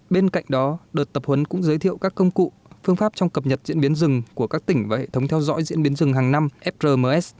bên cạnh đó đợt tập huấn cũng giới thiệu các công cụ phương pháp trong cập nhật diễn biến rừng của các tỉnh và hệ thống theo dõi diễn biến rừng hàng năm frms